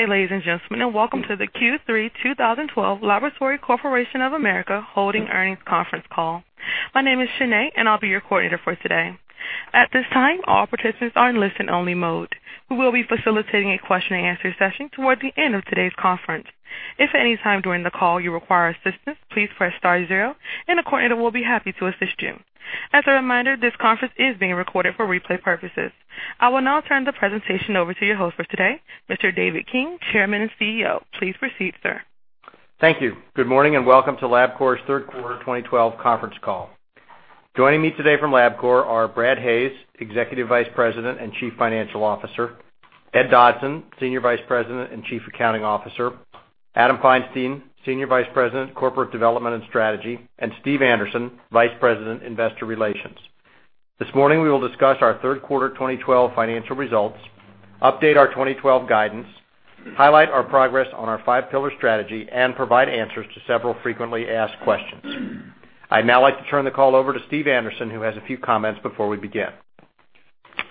Good day, ladies and gentlemen, and welcome to the Q3 2012 Laboratory Corporation of America Holdings Earnings Conference Call. My name is Sinead, and I'll be your coordinator for today. At this time, all participants are in listen-only mode. We will be facilitating a question-and-answer session toward the end of today's conference. If at any time during the call you require assistance, please press star zero, and a coordinator will be happy to assist you. As a reminder, this conference is being recorded for replay purposes. I will now turn the presentation over to your host for today, Mr. David King, Chairman and CEO. Please proceed, sir. Thank you. Good morning and welcome to Labcorp's Third Quarter 2012 Conference Call. Joining me today from Labcorp are Brad Hayes, Executive Vice President and Chief Financial Officer, Ed Dodson, Senior Vice President and Chief Accounting Officer, Adam Feinstein, Senior Vice President, Corporate Development and Strategy, and Steve Anderson, Vice President, Investor Relations. This morning, we will discuss our third quarter 2012 financial results, update our 2012 guidance, highlight our progress on our five-pillar strategy, and provide answers to several frequently asked questions. I'd now like to turn the call over to Steve Anderson, who has a few comments before we begin.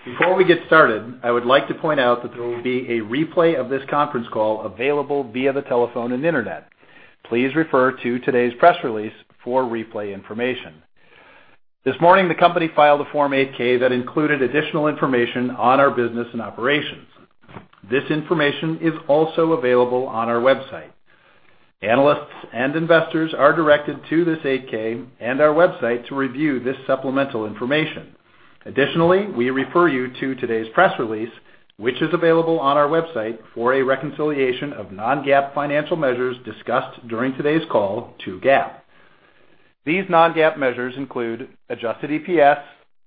Before we get started, I would like to point out that there will be a replay of this conference call available via the telephone and internet. Please refer to today's press release for replay information. This morning, the company filed a Form 8-K that included additional information on our business and operations. This information is also available on our website. Analysts and investors are directed to this 8-K and our website to review this supplemental information. Additionally, we refer you to today's press release, which is available on our website for a reconciliation of non-GAAP financial measures discussed during today's call to GAAP. These non-GAAP measures include adjusted EPS,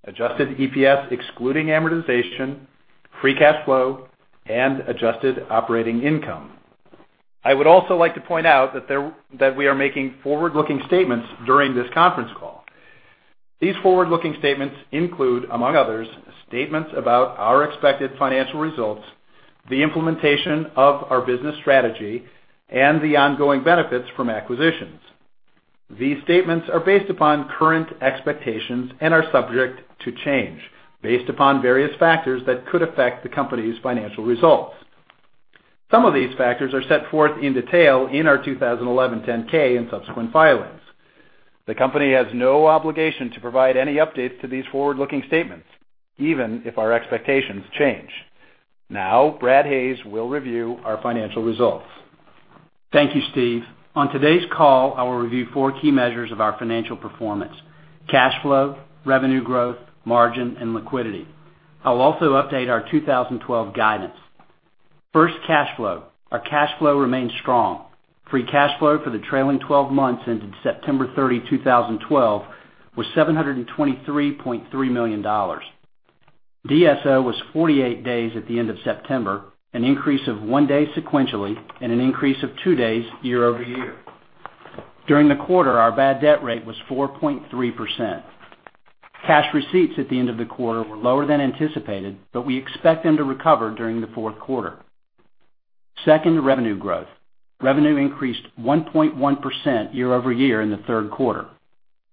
adjusted EPS excluding amortization, free cash flow, and adjusted operating income. I would also like to point out that we are making forward-looking statements during this conference call. These forward-looking statements include, among others, statements about our expected financial results, the implementation of our business strategy, and the ongoing benefits from acquisitions. These statements are based upon current expectations and are subject to change based upon various factors that could affect the company's financial results. Some of these factors are set forth in detail in our 2011 10-K and subsequent filings. The company has no obligation to provide any updates to these forward-looking statements, even if our expectations change. Now, Brad Hayes will review our financial results. Thank you, Steve. On today's call, I will review four key measures of our financial performance: cash flow, revenue growth, margin, and liquidity. I'll also update our 2012 guidance. First, cash flow. Our cash flow remains strong. Free cash flow for the trailing 12 months ended September 30, 2012, was $723.3 million. DSO was 48 days at the end of September, an increase of one day sequentially, and an increase of two days year over year. During the quarter, our bad debt rate was 4.3%. Cash receipts at the end of the quarter were lower than anticipated, but we expect them to recover during the fourth quarter. Second, revenue growth. Revenue increased 1.1% year over year in the third quarter.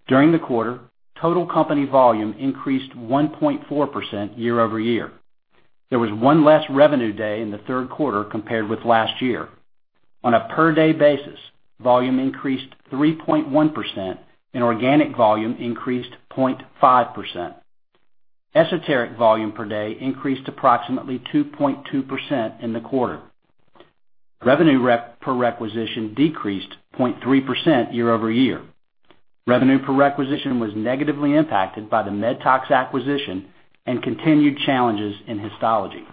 During the quarter, total company volume increased 1.4% year over year. There was one less revenue day in the third quarter compared with last year. On a per-day basis, volume increased 3.1%, and organic volume increased 0.5%. Esoteric volume per day increased approximately 2.2% in the quarter. Revenue per requisition decreased 0.3% year over year. Revenue per requisition was negatively impacted by the MedTox acquisition and continued challenges in histology.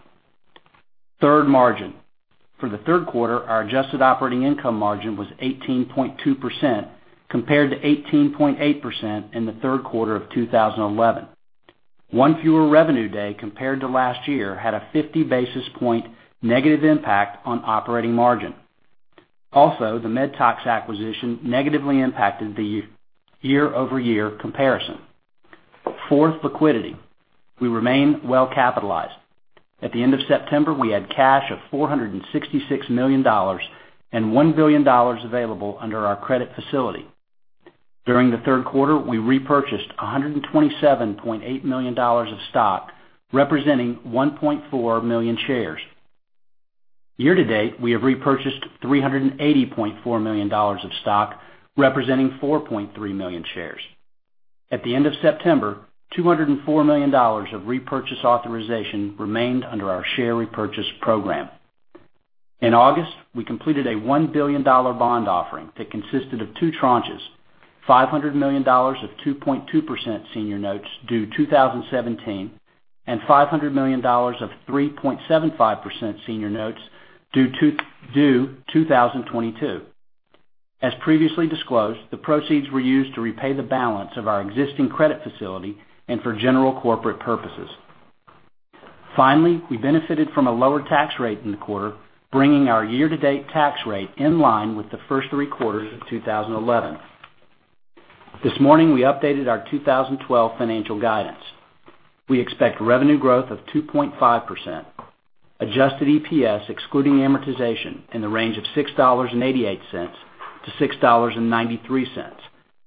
Third, margin. For the third quarter, our adjusted operating income margin was 18.2% compared to 18.8% in the third quarter of 2011. One fewer revenue day compared to last year had a 50 basis point negative impact on operating margin. Also, the MedTox acquisition negatively impacted the year-over-year comparison. Fourth, liquidity. We remain well-capitalized. At the end of September, we had cash of $466 million and $1 billion available under our credit facility. During the third quarter, we repurchased $127.8 million of stock, representing 1.4 million shares. Year to date, we have repurchased $380.4 million of stock, representing 4.3 million shares. At the end of September, $204 million of repurchase authorization remained under our share repurchase program. In August, we completed a $1 billion bond offering that consisted of two tranches: $500 million of 2.2% senior notes due 2017 and $500 million of 3.75% senior notes due 2022. As previously disclosed, the proceeds were used to repay the balance of our existing credit facility and for general corporate purposes. Finally, we benefited from a lower tax rate in the quarter, bringing our year-to-date tax rate in line with the first three quarters of 2011. This morning, we updated our 2012 financial guidance. We expect revenue growth of 2.5%, adjusted EPS excluding amortization in the range of $6.88-$6.93,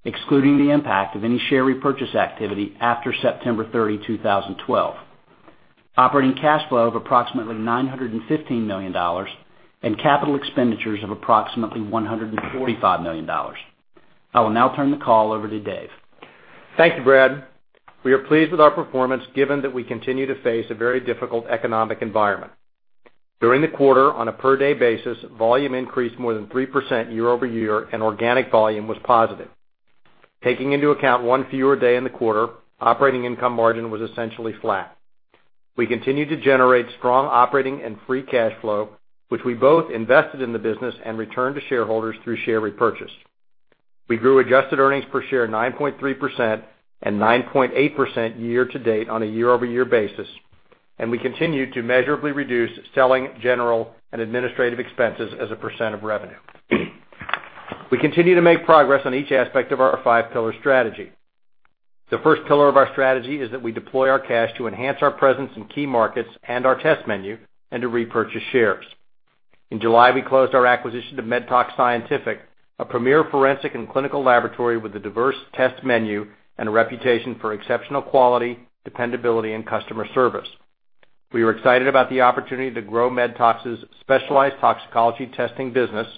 excluding the impact of any share repurchase activity after September 30, 2012, operating cash flow of approximately $915 million, and capital expenditures of approximately $145 million. I will now turn the call over to Dave. Thank you, Brad. We are pleased with our performance given that we continue to face a very difficult economic environment. During the quarter, on a per-day basis, volume increased more than 3% year over year, and organic volume was positive. Taking into account one fewer day in the quarter, operating income margin was essentially flat. We continue to generate strong operating and free cash flow, which we both invested in the business and returned to shareholders through share repurchase. We grew adjusted earnings per share 9.3% and 9.8% year to date on a year-over-year basis, and we continue to measurably reduce selling, general, and administrative expenses as a percent of revenue. We continue to make progress on each aspect of our five-pillar strategy. The first pillar of our strategy is that we deploy our cash to enhance our presence in key markets and our test menu and to repurchase shares. In July, we closed our acquisition of MedTox Scientific, a premier forensic and clinical laboratory with a diverse test menu and a reputation for exceptional quality, dependability, and customer service. We are excited about the opportunity to grow MedTox's specialized toxicology testing business,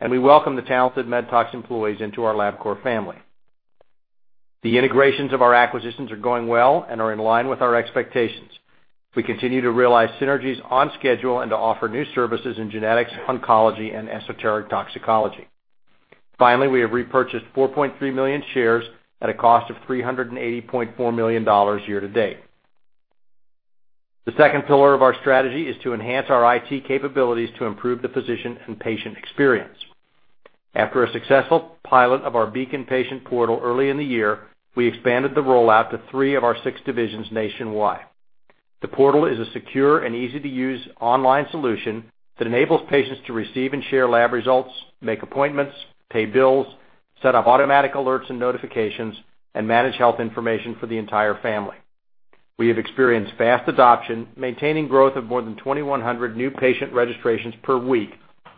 and we welcome the talented MedTox employees into our Labcorp family. The integrations of our acquisitions are going well and are in line with our expectations. We continue to realize synergies on schedule and to offer new services in genetics, oncology, and esoteric toxicology. Finally, we have repurchased 4.3 million shares at a cost of $380.4 million year to date. The second pillar of our strategy is to enhance our IT capabilities to improve the physician and patient experience. After a successful pilot of our Beacon Patient Portal early in the year, we expanded the rollout to three of our six divisions nationwide. The portal is a secure and easy-to-use online solution that enables patients to receive and share lab results, make appointments, pay bills, set up automatic alerts and notifications, and manage health information for the entire family. We have experienced fast adoption, maintaining growth of more than 2,100 new patient registrations per week,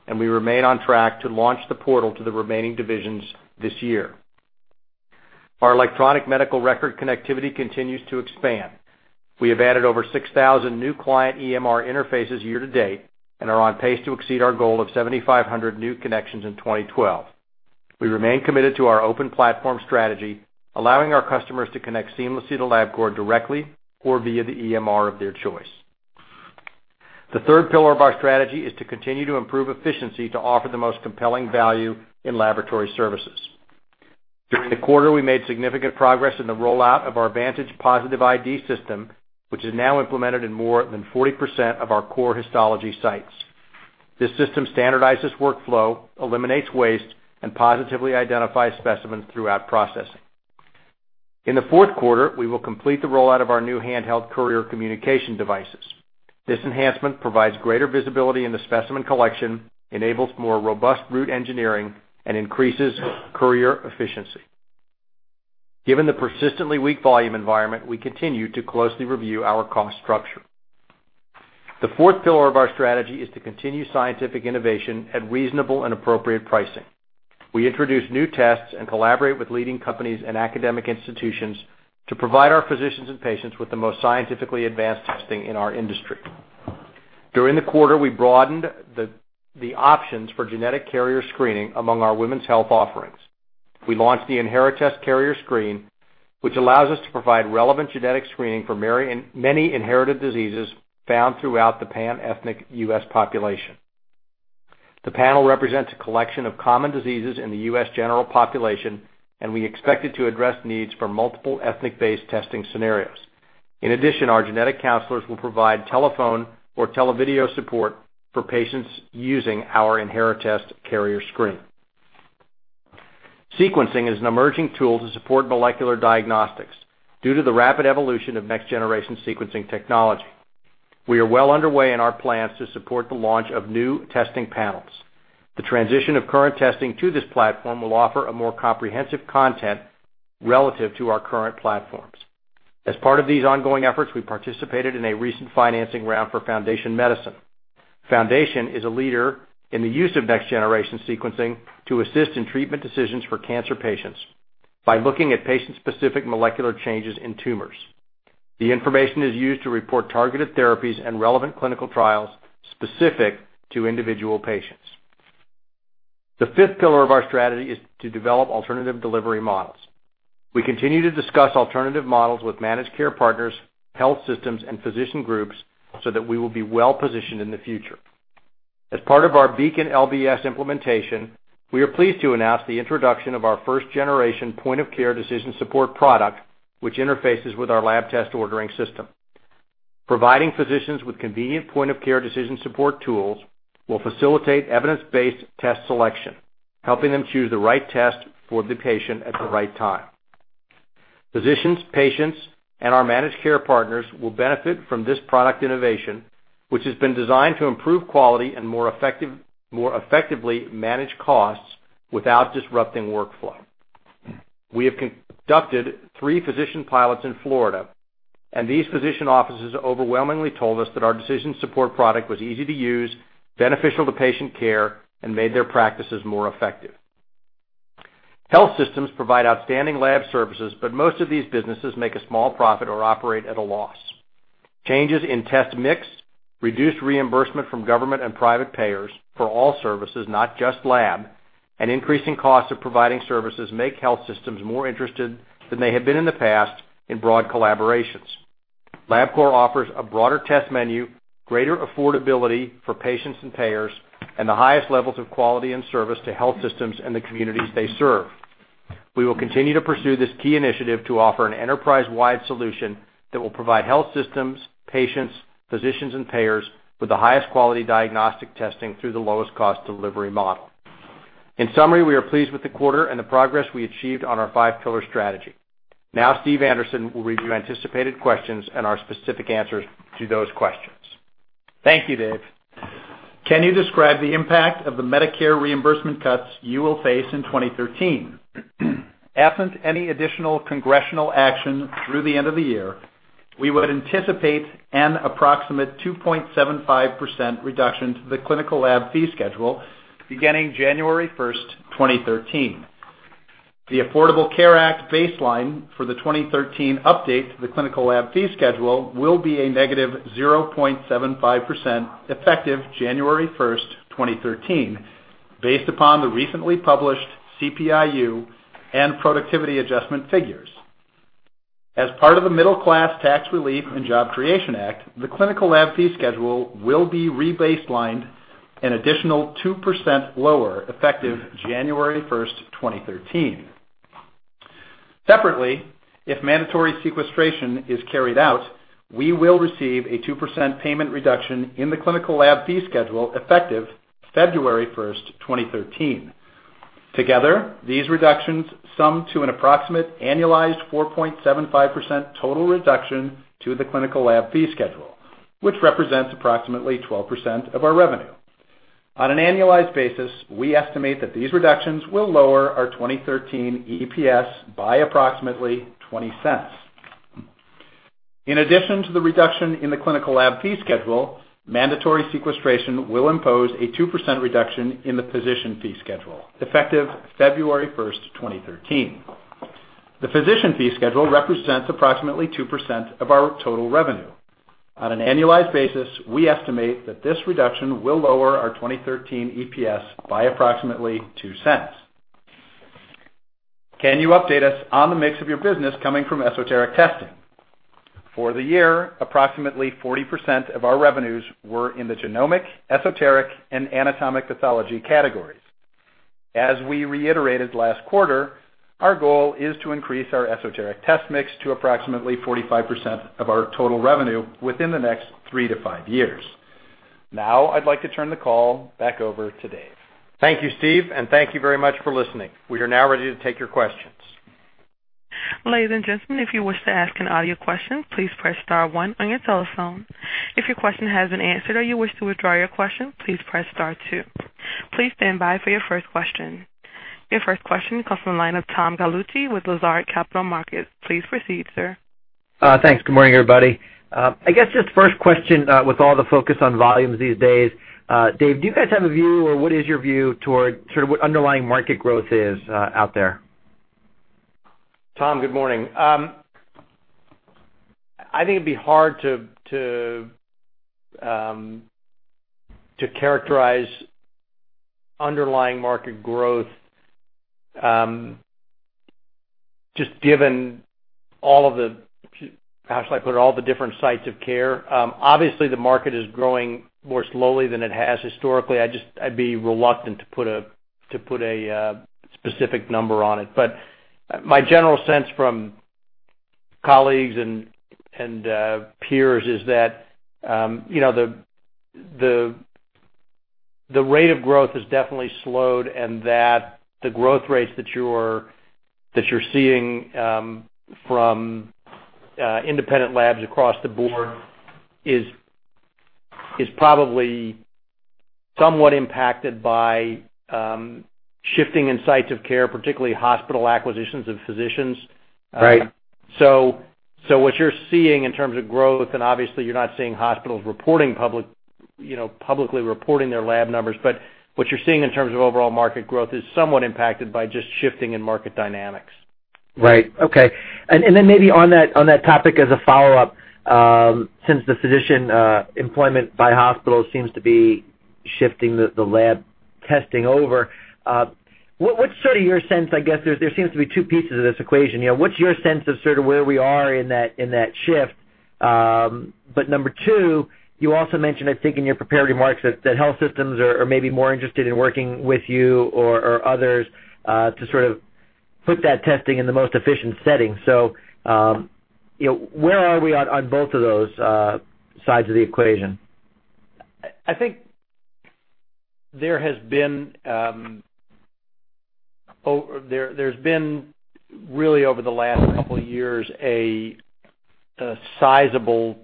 and we remain on track to launch the portal to the remaining divisions this year. Our electronic medical record connectivity continues to expand. We have added over 6,000 new client EMR interfaces year to date and are on pace to exceed our goal of 7,500 new connections in 2012. We remain committed to our open platform strategy, allowing our customers to connect seamlessly to Labcorp directly or via the EMR of their choice. The third pillar of our strategy is to continue to improve efficiency to offer the most compelling value in laboratory services. During the quarter, we made significant progress in the rollout of our Vantage Positive ID system, which is now implemented in more than 40% of our core histology sites. This system standardizes workflow, eliminates waste, and positively identifies specimens throughout processing. In the fourth quarter, we will complete the rollout of our new handheld courier communication devices. This enhancement provides greater visibility in the specimen collection, enables more robust route engineering, and increases courier efficiency. Given the persistently weak volume environment, we continue to closely review our cost structure. The fourth pillar of our strategy is to continue scientific innovation at reasonable and appropriate pricing. We introduce new tests and collaborate with leading companies and academic institutions to provide our physicians and patients with the most scientifically advanced testing in our industry. During the quarter, we broadened the options for genetic carrier screening among our women's health offerings. We launched the Inheritest Carrier Screen, which allows us to provide relevant genetic screening for many inherited diseases found throughout the pan-ethnic U.S. population. The panel represents a collection of common diseases in the U.S. general population, and we expect it to address needs for multiple ethnic-based testing scenarios. In addition, our genetic counselors will provide telephone or televideo support for patients using our Inheritest Carrier Screen. Sequencing is an emerging tool to support molecular diagnostics due to the rapid evolution of next-generation sequencing technology. We are well underway in our plans to support the launch of new testing panels. The transition of current testing to this platform will offer a more comprehensive content relative to our current platforms. As part of these ongoing efforts, we participated in a recent financing round for Foundation Medicine. Foundation is a leader in the use of next-generation sequencing to assist in treatment decisions for cancer patients by looking at patient-specific molecular changes in tumors. The information is used to report targeted therapies and relevant clinical trials specific to individual patients. The fifth pillar of our strategy is to develop alternative delivery models. We continue to discuss alternative models with managed care partners, health systems, and physician groups so that we will be well-positioned in the future. As part of our Beacon LBS implementation, we are pleased to announce the introduction of our first-generation point-of-care decision support product, which interfaces with our lab test ordering system. Providing physicians with convenient point-of-care decision support tools will facilitate evidence-based test selection, helping them choose the right test for the patient at the right time. Physicians, patients, and our managed care partners will benefit from this product innovation, which has been designed to improve quality and more effectively manage costs without disrupting workflow. We have conducted three physician pilots in Florida, and these physician offices overwhelmingly told us that our decision support product was easy to use, beneficial to patient care, and made their practices more effective. Health systems provide outstanding lab services, but most of these businesses make a small profit or operate at a loss. Changes in test mix, reduced reimbursement from government and private payers for all services, not just lab, and increasing costs of providing services make health systems more interested than they have been in the past in broad collaborations. Labcorp offers a broader test menu, greater affordability for patients and payers, and the highest levels of quality and service to health systems and the communities they serve. We will continue to pursue this key initiative to offer an enterprise-wide solution that will provide health systems, patients, physicians, and payers with the highest quality diagnostic testing through the lowest cost delivery model. In summary, we are pleased with the quarter and the progress we achieved on our five-pillar strategy. Now, Steve Anderson will review anticipated questions and our specific answers to those questions. Thank you, Dave. Can you describe the impact of the Medicare reimbursement cuts you will face in 2013? Absent any additional congressional action through the end of the year, we would anticipate an approximate 2.75% reduction to the clinical lab fee schedule beginning January 1st, 2013. The Affordable Care Act baseline for the 2013 update to the clinical lab fee schedule will be a negative 0.75% effective January 1, 2013, based upon the recently published CPIU and productivity adjustment figures. As part of the Middle Class Tax Relief and Job Creation Act, the clinical lab fee schedule will be rebaselined an additional 2% lower effective January 1st, 2013. Separately, if mandatory sequestration is carried out, we will receive a 2% payment reduction in the clinical lab fee schedule effective February 1st, 2013. Together, these reductions sum to an approximate annualized 4.75% total reduction to the clinical lab fee schedule, which represents approximately 12% of our revenue. On an annualized basis, we estimate that these reductions will lower our 2013 EPS by approximately $0.20. In addition to the reduction in the clinical lab fee schedule, mandatory sequestration will impose a 2% reduction in the physician fee schedule effective February 1st, 2013. The physician fee schedule represents approximately 2% of our total revenue. On an annualized basis, we estimate that this reduction will lower our 2013 EPS by approximately $0.02. Can you update us on the mix of your business coming from esoteric testing? For the year, approximately 40% of our revenues were in the genomic, esoteric, and anatomic pathology categories. As we reiterated last quarter, our goal is to increase our esoteric test mix to approximately 45% of our total revenue within the next three to five years. Now, I'd like to turn the call back over to Dave. Thank you, Steve, and thank you very much for listening. We are now ready to take your questions. Ladies and gentlemen, if you wish to ask an audio question, please press star one on your telephone. If your question has been answered or you wish to withdraw your question, please press star two. Please stand by for your first question. Your first question comes from the line of Tom Gallucci with Lazard Capital Markets. Please proceed, sir. Thanks. Good morning, everybody. I guess just first question with all the focus on volumes these days. Dave, do you guys have a view, or what is your view toward sort of what underlying market growth is out there? Tom, good morning. I think it'd be hard to characterize underlying market growth just given all of the—how should I put it?—all the different sites of care. Obviously, the market is growing more slowly than it has historically. I'd be reluctant to put a specific number on it. But my general sense from colleagues and peers is that the rate of growth has definitely slowed and that the growth rates that you're seeing from independent labs across the board is probably somewhat impacted by shifting in sites of care, particularly hospital acquisitions of physicians. What you're seeing in terms of growth—and obviously, you're not seeing hospitals publicly reporting their lab numbers—what you're seeing in terms of overall market growth is somewhat impacted by just shifting in market dynamics. Right. Okay. Maybe on that topic as a follow-up, since the physician employment by hospitals seems to be shifting the lab testing over, what's sort of your sense? I guess there seem to be two pieces of this equation. What's your sense of sort of where we are in that shift? Number two, you also mentioned, I think in your preparatory marks, that health systems are maybe more interested in working with you or others to sort of put that testing in the most efficient setting. Where are we on both of those sides of the equation? I think there has been—there's been really over the last couple of years a sizable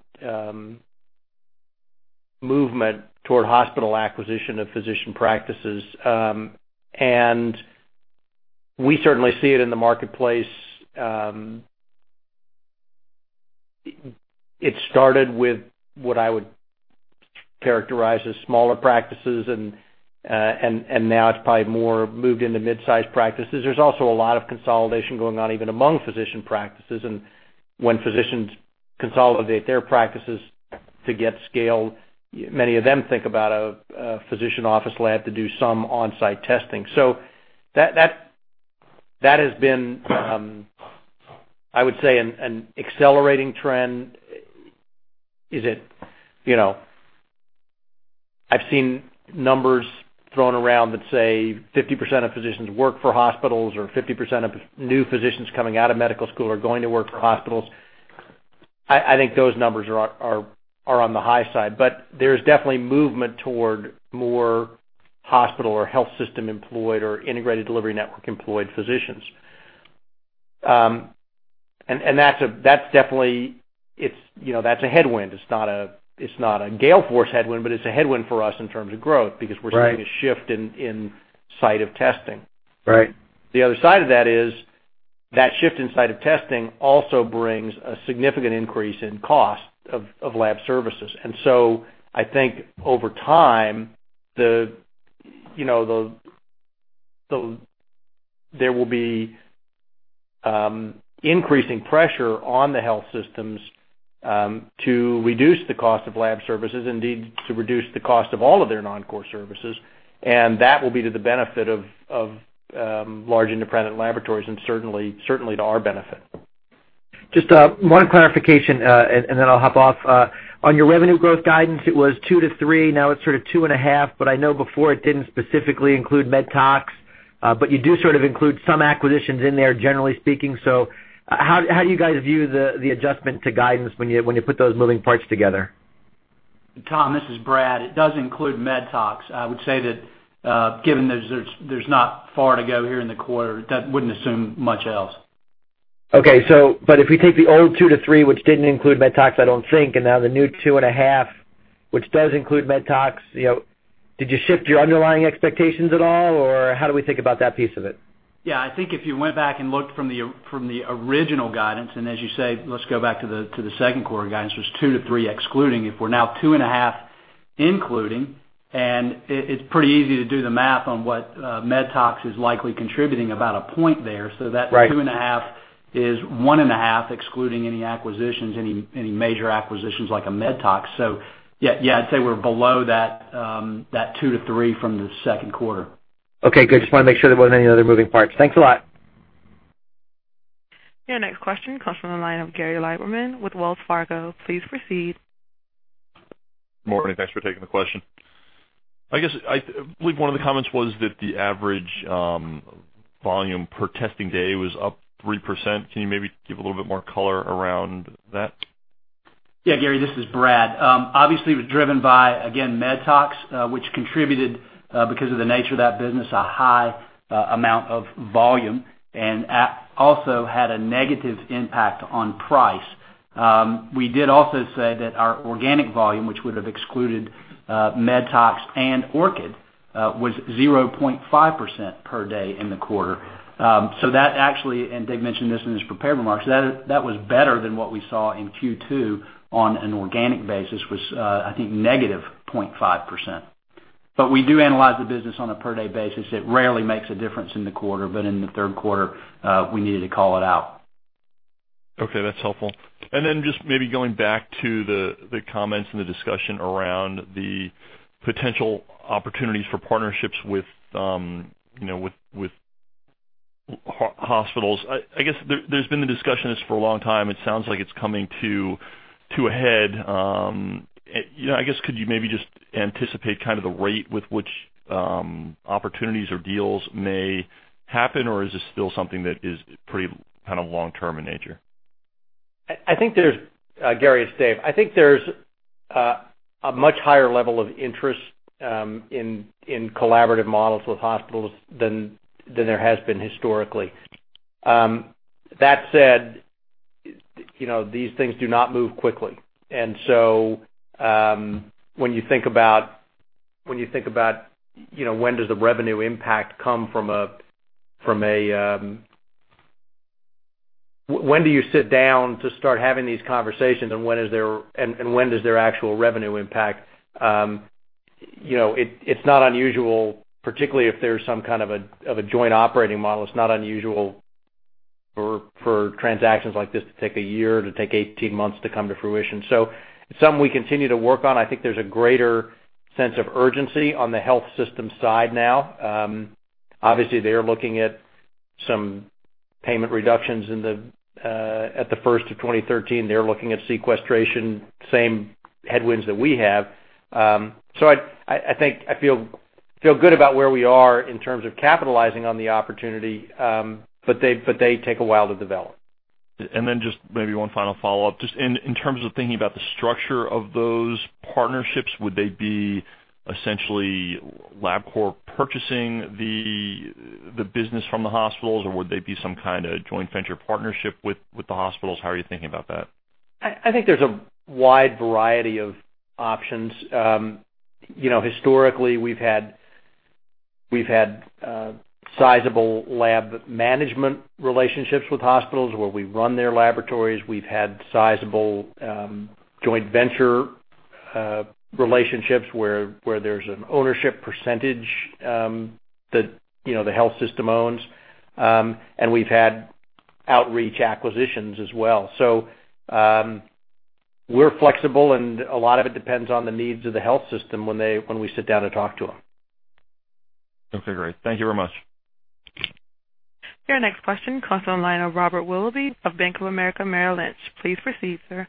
movement toward hospital acquisition of physician practices. We certainly see it in the marketplace. It started with what I would characterize as smaller practices, and now it's probably more moved into mid-sized practices. There's also a lot of consolidation going on even among physician practices. When physicians consolidate their practices to get scale, many of them think about a physician office lab to do some on-site testing. That has been, I would say, an accelerating trend. I've seen numbers thrown around that say 50% of physicians work for hospitals or 50% of new physicians coming out of medical school are going to work for hospitals. I think those numbers are on the high side. There's definitely movement toward more hospital or health system employed or integrated delivery network employed physicians. That's definitely a headwind. It's not a gale force headwind, but it's a headwind for us in terms of growth because we're seeing a shift in site of testing. The other side of that is that shift in site of testing also brings a significant increase in cost of lab services. I think over time, there will be increasing pressure on the health systems to reduce the cost of lab services, indeed to reduce the cost of all of their non-core services. That will be to the benefit of large independent laboratories and certainly to our benefit. Just one clarification, and then I'll hop off. On your revenue growth guidance, it was 2-3. Now it's sort of 2.5. But I know before it didn't specifically include MedTox, but you do sort of include some acquisitions in there, generally speaking. So how do you guys view the adjustment to guidance when you put those moving parts together? Tom, this is Brad. It does include MedTox. I would say that given there's not far to go here in the quarter, that wouldn't assume much else. Okay. If we take the old two to three, which did not include MedTox, I do not think, and now the new two and a half, which does include MedTox, did you shift your underlying expectations at all, or how do we think about that piece of it? Yeah. I think if you went back and looked from the original guidance, and as you say, let's go back to the second quarter guidance, was 2-3 excluding. If we're now two and a half including, and it's pretty easy to do the math on what MedTox is likely contributing about a point there. So that two and a half is one and a half excluding any acquisitions, any major acquisitions like a MedTox. Yeah, I'd say we're below that 2-3 from the second quarter. Okay. Good. Just wanted to make sure there weren't any other moving parts. Thanks a lot. Yeah. Next question comes from the line of Gary Leibman with Wells Fargo. Please proceed. Good morning. Thanks for taking the question. I guess I believe one of the comments was that the average volume per testing day was up 3%. Can you maybe give a little bit more color around that? Yeah. Gary, this is Brad. Obviously, we're driven by, again, MedTox, which contributed because of the nature of that business, a high amount of volume and also had a negative impact on price. We did also say that our organic volume, which would have excluded MedTox and ORCID, was 0.5% per day in the quarter. That actually—and Dave mentioned this in his preparatory marks—that was better than what we saw in Q2 on an organic basis, was, I think, negative 0.5%. We do analyze the business on a per-day basis. It rarely makes a difference in the quarter, but in the third quarter, we needed to call it out. Okay. That's helpful. Then just maybe going back to the comments and the discussion around the potential opportunities for partnerships with hospitals. I guess there's been the discussion for a long time. It sounds like it's coming to a head. I guess could you maybe just anticipate kind of the rate with which opportunities or deals may happen, or is this still something that is pretty kind of long-term in nature? I think there's—Gary and Dave—I think there's a much higher level of interest in collaborative models with hospitals than there has been historically. That said, these things do not move quickly. When you think about—when you think about when does the revenue impact come from a—when do you sit down to start having these conversations, and when is there—and when does their actual revenue impact? It's not unusual, particularly if there's some kind of a joint operating model. It's not unusual for transactions like this to take a year to take 18 months to come to fruition. It is something we continue to work on. I think there's a greater sense of urgency on the health system side now. Obviously, they are looking at some payment reductions at the first of 2013. They're looking at sequestration—same headwinds that we have. I think I feel good about where we are in terms of capitalizing on the opportunity, but they take a while to develop. Just maybe one final follow-up. Just in terms of thinking about the structure of those partnerships, would they be essentially Labcorp purchasing the business from the hospitals, or would they be some kind of joint venture partnership with the hospitals? How are you thinking about that? I think there's a wide variety of options. Historically, we've had sizable lab management relationships with hospitals where we run their laboratories. We've had sizable joint venture relationships where there's an ownership percentage that the health system owns. We've had outreach acquisitions as well. We're flexible, and a lot of it depends on the needs of the health system when we sit down to talk to them. Okay. Great. Thank you very much. Yeah. Next question comes from the line of Robert Willoughby of Bank of America Merrill Lynch. Please proceed, sir.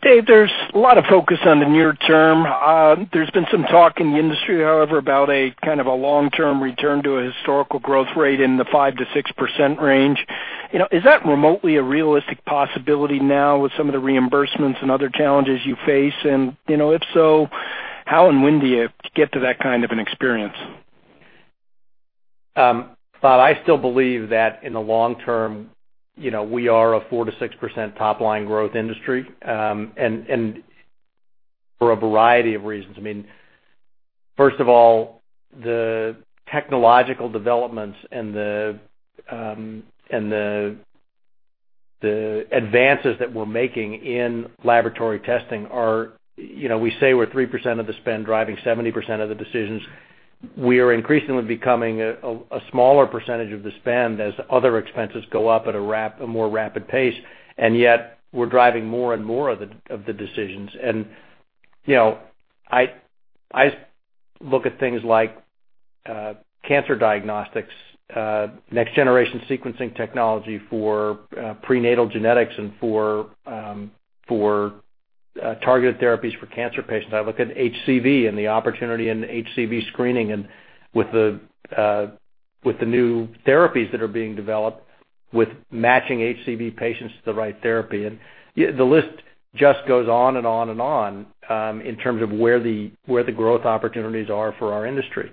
Dave, there's a lot of focus on the near term. There's been some talk in the industry, however, about a kind of a long-term return to a historical growth rate in the 5-6% range. Is that remotely a realistic possibility now with some of the reimbursements and other challenges you face? If so, how and when do you get to that kind of an experience? Bob, I still believe that in the long term, we are a 4-6% top-line growth industry and for a variety of reasons. I mean, first of all, the technological developments and the advances that we're making in laboratory testing are—we say we're 3% of the spend driving 70% of the decisions. We are increasingly becoming a smaller percentage of the spend as other expenses go up at a more rapid pace. Yet, we're driving more and more of the decisions. I look at things like cancer diagnostics, next-generation sequencing technology for prenatal genetics, and for targeted therapies for cancer patients. I look at HCV and the opportunity in HCV screening and with the new therapies that are being developed with matching HCV patients to the right therapy. The list just goes on and on and on in terms of where the growth opportunities are for our industry.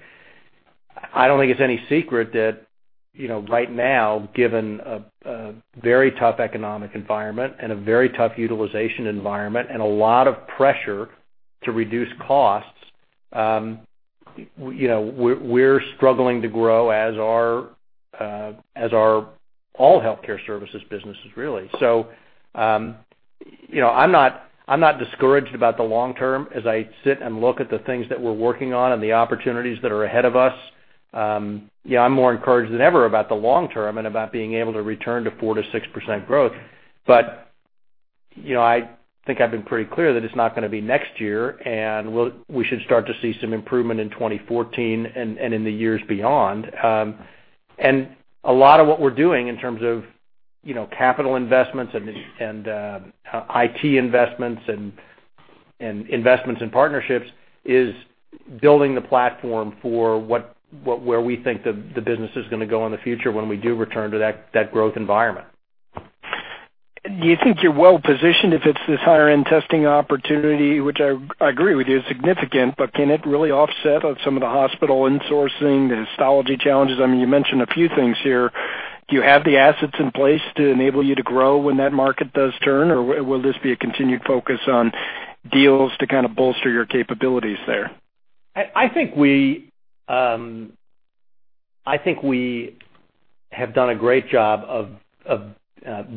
I don't think it's any secret that right now, given a very tough economic environment and a very tough utilization environment and a lot of pressure to reduce costs, we're struggling to grow as are all healthcare services businesses, really. I am not discouraged about the long term. As I sit and look at the things that we're working on and the opportunities that are ahead of us, I'm more encouraged than ever about the long term and about being able to return to 4-6% growth. I think I've been pretty clear that it's not going to be next year, and we should start to see some improvement in 2014 and in the years beyond. A lot of what we're doing in terms of capital investments and IT investments and investments in partnerships is building the platform for where we think the business is going to go in the future when we do return to that growth environment. Do you think you're well positioned if it's this higher-end testing opportunity, which I agree with you is significant, but can it really offset some of the hospital insourcing, the histology challenges? I mean, you mentioned a few things here. Do you have the assets in place to enable you to grow when that market does turn, or will this be a continued focus on deals to kind of bolster your capabilities there? I think we have done a great job of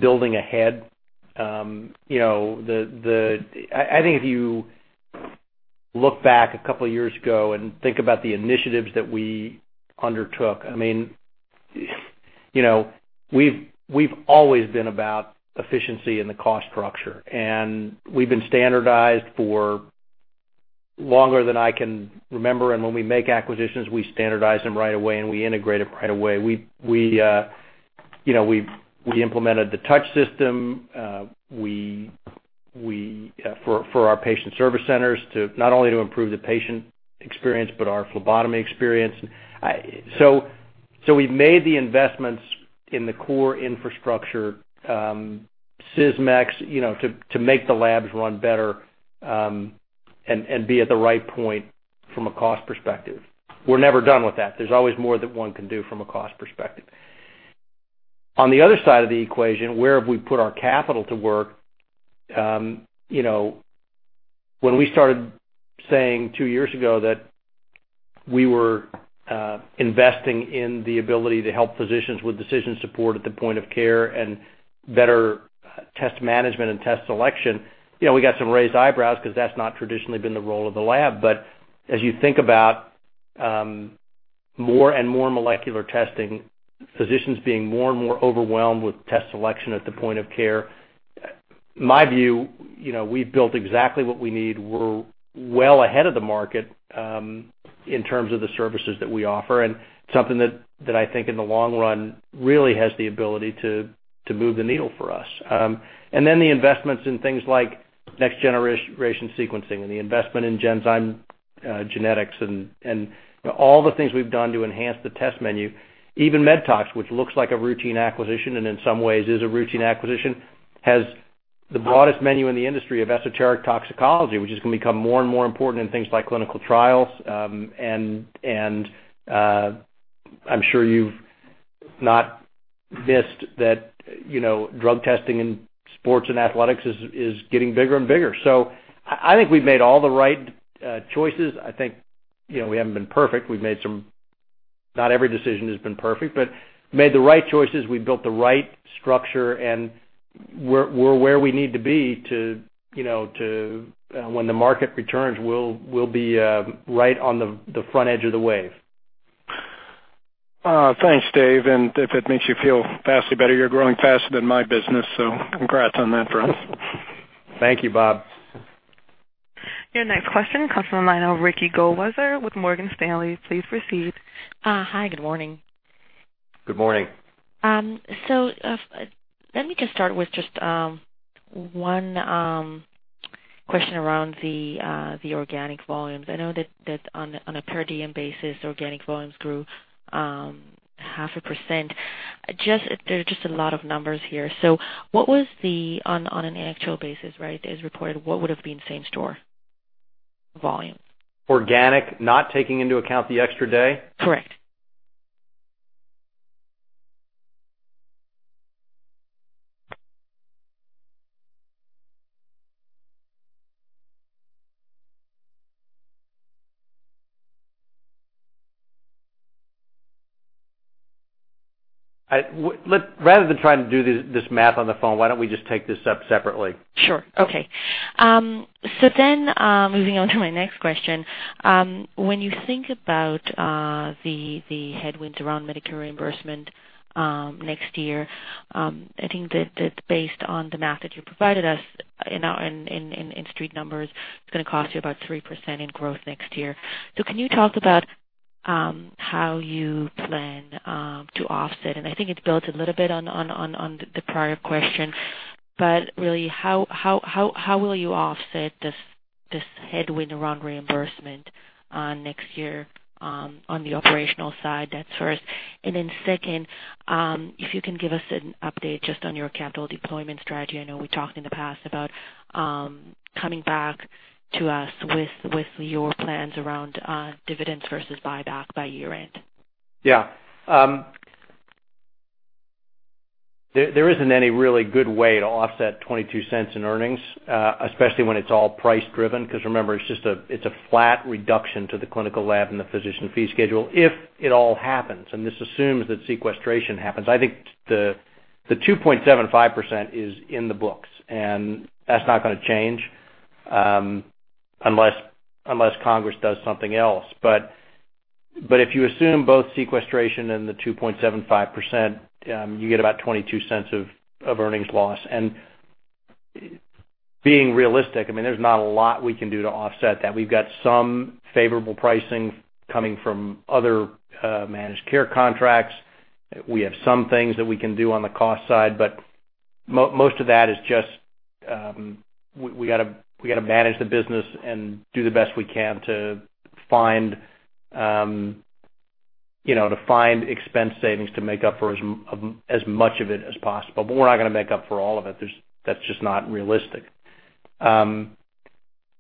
building ahead. I think if you look back a couple of years ago and think about the initiatives that we undertook, I mean, we've always been about efficiency and the cost structure. We've been standardized for longer than I can remember. When we make acquisitions, we standardize them right away, and we integrate them right away. We implemented the touch system for our patient service centers not only to improve the patient experience but our phlebotomy experience. We've made the investments in the core infrastructure, Sysmex, to make the labs run better and be at the right point from a cost perspective. We're never done with that. There's always more that one can do from a cost perspective. On the other side of the equation, where have we put our capital to work? When we started saying two years ago that we were investing in the ability to help physicians with decision support at the point of care and better test management and test selection, we got some raised eyebrows because that's not traditionally been the role of the lab. As you think about more and more molecular testing, physicians being more and more overwhelmed with test selection at the point of care, my view, we've built exactly what we need. We're well ahead of the market in terms of the services that we offer, and something that I think in the long run really has the ability to move the needle for us. The investments in things like next-generation sequencing and the investment in genetics and all the things we've done to enhance the test menu, even MedTox, which looks like a routine acquisition and in some ways is a routine acquisition, has the broadest menu in the industry of esoteric toxicology, which is going to become more and more important in things like clinical trials. I'm sure you've not missed that drug testing in sports and athletics is getting bigger and bigger. I think we've made all the right choices. I think we haven't been perfect. Not every decision has been perfect, but we've made the right choices. We've built the right structure, and we're where we need to be to when the market returns, we'll be right on the front edge of the wave. Thanks, Dave. If it makes you feel vastly better, you're growing faster than my business. Congrats on that, friend. Thank you, Bob. Yeah. Next question comes from the line of Ricky Goweser with Morgan Stanley. Please proceed. Hi. Good morning. Good morning. Let me just start with just one question around the organic volumes. I know that on a per-day basis, organic volumes grew 0.5%. There are just a lot of numbers here. What was the, on an actual basis, right, as reported, what would have been same-store volume? Organic, not taking into account the extra day? Correct. Rather than trying to do this math on the phone, why don't we just take this up separately? Sure. Okay. Moving on to my next question, when you think about the headwinds around Medicare reimbursement next year, I think that based on the math that you provided us in street numbers, it is going to cost you about 3% in growth next year. Can you talk about how you plan to offset? I think it is built a little bit on the prior question, but really, how will you offset this headwind around reimbursement next year on the operational side? That is first. Second, if you can give us an update just on your capital deployment strategy. I know we talked in the past about coming back to us with your plans around dividends versus buyback by year-end. Yeah. There isn't any really good way to offset $0.22 in earnings, especially when it's all price-driven because remember, it's a flat reduction to the clinical lab and the physician fee schedule if it all happens. This assumes that sequestration happens. I think the 2.75% is in the books, and that's not going to change unless Congress does something else. If you assume both sequestration and the 2.75%, you get about $0.22 of earnings loss. Being realistic, I mean, there's not a lot we can do to offset that. We've got some favorable pricing coming from other managed care contracts. We have some things that we can do on the cost side, but most of that is just we got to manage the business and do the best we can to find expense savings to make up for as much of it as possible. We are not going to make up for all of it. That is just not realistic.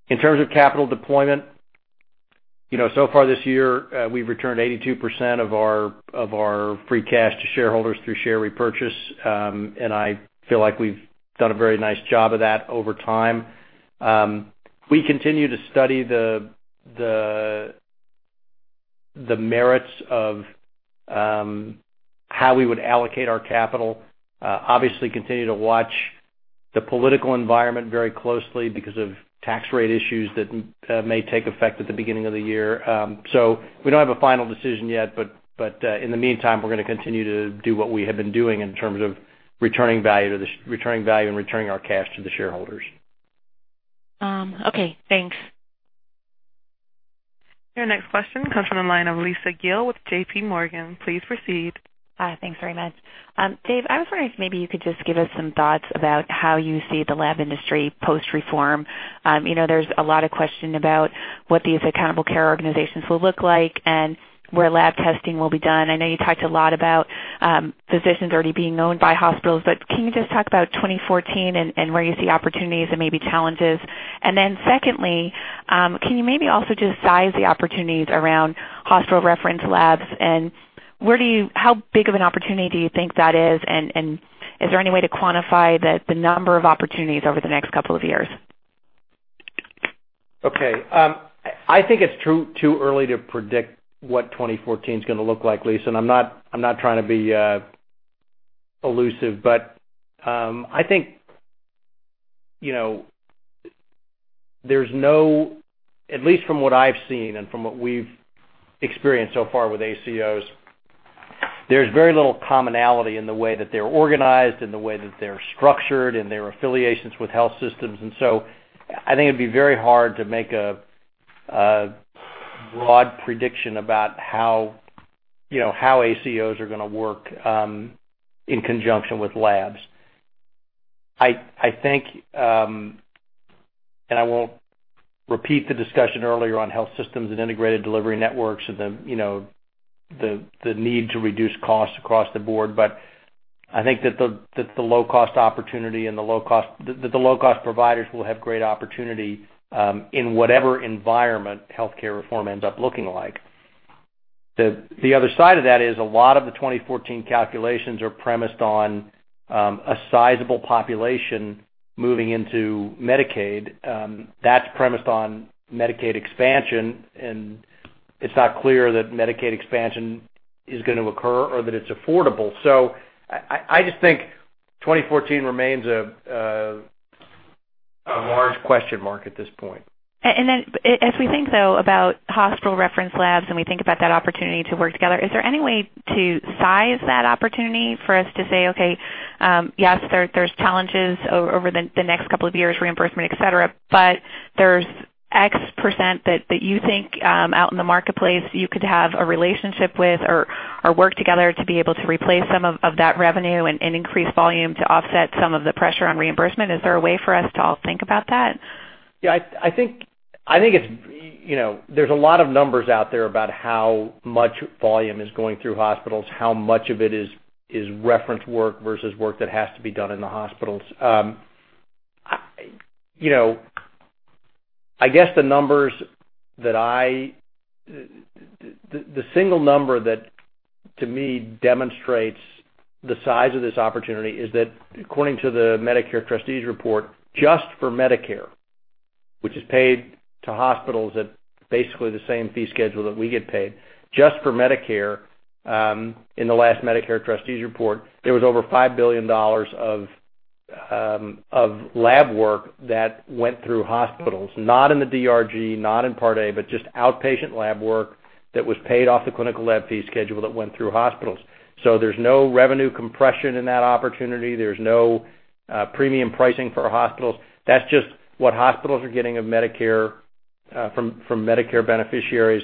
In terms of capital deployment, so far this year, we have returned 82% of our free cash to shareholders through share repurchase, and I feel like we have done a very nice job of that over time. We continue to study the merits of how we would allocate our capital. Obviously, continue to watch the political environment very closely because of tax rate issues that may take effect at the beginning of the year. We do not have a final decision yet, but in the meantime, we are going to continue to do what we have been doing in terms of returning value and returning our cash to the shareholders. Okay. Thanks. Yeah. Next question comes from the line of Lisa Gill with JPMorgan. Please proceed. Thanks very much. Dave, I was wondering if maybe you could just give us some thoughts about how you see the lab industry post-reform. There's a lot of question about what these accountable care organizations will look like and where lab testing will be done. I know you talked a lot about physicians already being owned by hospitals, but can you just talk about 2014 and where you see opportunities and maybe challenges? Secondly, can you maybe also just size the opportunities around hospital reference labs? How big of an opportunity do you think that is? Is there any way to quantify the number of opportunities over the next couple of years? Okay. I think it's too early to predict what 2014 is going to look like, Lisa. I'm not trying to be elusive, but I think there's no, at least from what I've seen and from what we've experienced so far with ACOs, there's very little commonality in the way that they're organized, in the way that they're structured, in their affiliations with health systems. I think it'd be very hard to make a broad prediction about how ACOs are going to work in conjunction with labs. I think, and I won't repeat the discussion earlier on health systems and integrated delivery networks and the need to reduce costs across the board, but I think that the low-cost opportunity and the low-cost that the low-cost providers will have great opportunity in whatever environment healthcare reform ends up looking like. The other side of that is a lot of the 2014 calculations are premised on a sizable population moving into Medicaid. That is premised on Medicaid expansion, and it is not clear that Medicaid expansion is going to occur or that it is affordable. I just think 2014 remains a large question mark at this point. As we think, though, about hospital reference labs and we think about that opportunity to work together, is there any way to size that opportunity for us to say, "Okay. Yes, there's challenges over the next couple of years, reimbursement, etc., but there's X% that you think out in the marketplace you could have a relationship with or work together to be able to replace some of that revenue and increase volume to offset some of the pressure on reimbursement"? Is there a way for us to all think about that? Yeah. I think there's a lot of numbers out there about how much volume is going through hospitals, how much of it is reference work versus work that has to be done in the hospitals. I guess the numbers that I, the single number that to me demonstrates the size of this opportunity is that according to the Medicare Trustees Report, just for Medicare, which is paid to hospitals at basically the same fee schedule that we get paid, just for Medicare, in the last Medicare Trustees Report, there was over $5 billion of lab work that went through hospitals, not in the DRG, not in Part A, but just outpatient lab work that was paid off the clinical lab fee schedule that went through hospitals. There is no revenue compression in that opportunity. There is no premium pricing for hospitals. That's just what hospitals are getting from Medicare beneficiaries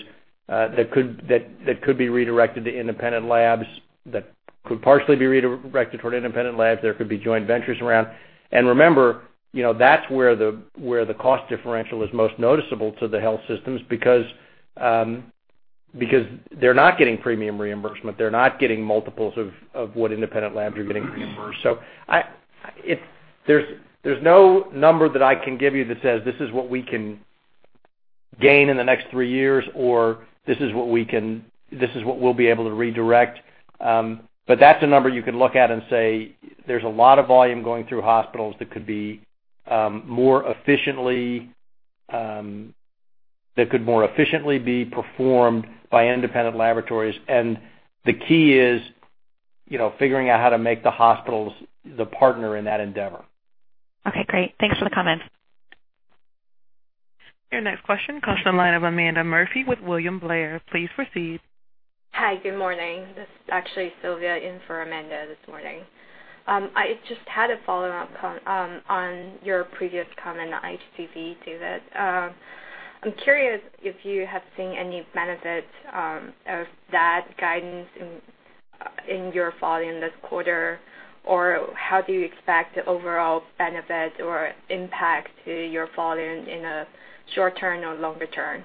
that could be redirected to independent labs, that could partially be redirected toward independent labs. There could be joint ventures around. Remember, that's where the cost differential is most noticeable to the health systems because they're not getting premium reimbursement. They're not getting multiples of what independent labs are getting reimbursed. There's no number that I can give you that says, "This is what we can gain in the next three years," or, "This is what we can, this is what we'll be able to redirect." That's a number you can look at and say, "There's a lot of volume going through hospitals that could more efficiently be performed by independent laboratories." The key is figuring out how to make the hospitals the partner in that endeavor. Okay. Great. Thanks for the comments. Yeah. Next question comes from the line of Amanda Murphy with William Blair. Please proceed. Hi. Good morning. This is actually Sylvia in for Amanda this morning. I just had a follow-up on your previous comment on HCV, David. I'm curious if you have seen any benefits of that guidance in your following this quarter, or how do you expect the overall benefit or impact to your following in the short term or longer term?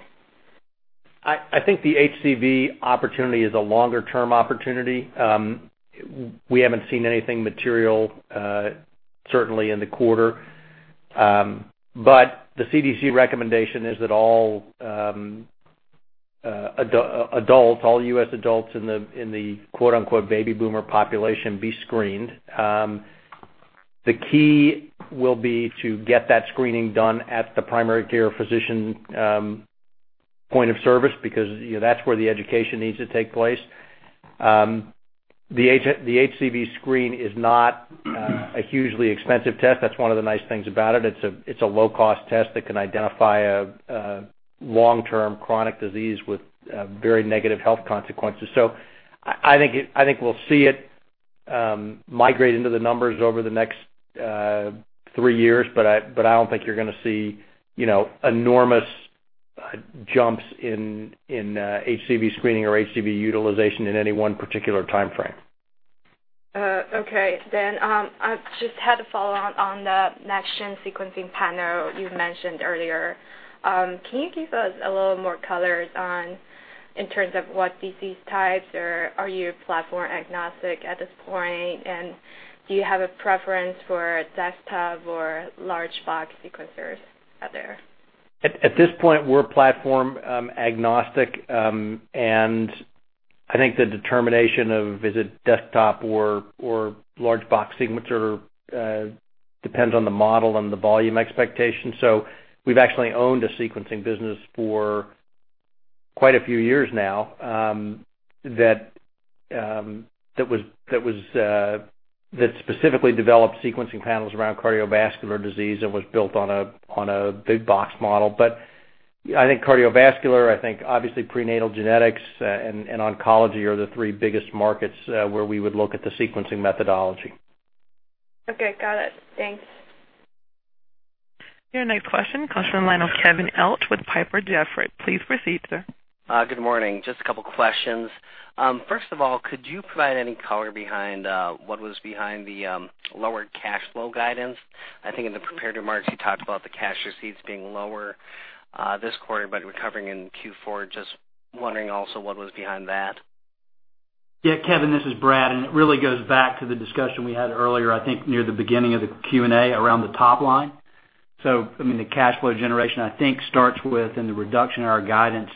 I think the HCV opportunity is a longer-term opportunity. We haven't seen anything material, certainly in the quarter. The CDC recommendation is that all adults, all US adults in the "baby boomer" population, be screened. The key will be to get that screening done at the primary care physician point of service because that's where the education needs to take place. The HCV screen is not a hugely expensive test. That's one of the nice things about it. It's a low-cost test that can identify a long-term chronic disease with very negative health consequences. I think we'll see it migrate into the numbers over the next three years, but I don't think you're going to see enormous jumps in HCV screening or HCV utilization in any one particular time frame. Okay. I just had a follow-up on the next-gen sequencing panel you mentioned earlier. Can you give us a little more color in terms of what disease types? Are you platform agnostic at this point? Do you have a preference for desktop or large-box sequencers out there? At this point, we're platform agnostic. I think the determination of is it desktop or large-box sequencer depends on the model and the volume expectation. We've actually owned a sequencing business for quite a few years now that specifically developed sequencing panels around cardiovascular disease and was built on a big-box model. I think cardiovascular, obviously prenatal genetics, and oncology are the three biggest markets where we would look at the sequencing methodology. Okay. Got it. Thanks. Yeah. Next question comes from the line of Kevin Eltz with Piper Jaffray. Please proceed, sir. Good morning. Just a couple of questions. First of all, could you provide any color behind what was behind the lower cash flow guidance? I think in the prepared remarks, you talked about the cash receipts being lower this quarter but recovering in Q4. Just wondering also what was behind that. Yeah. Kevin, this is Brad. It really goes back to the discussion we had earlier, I think near the beginning of the Q&A around the top line. I mean, the cash flow generation, I think, starts with in the reduction of our guidance,